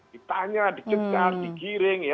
ditanya dicegar digiring ya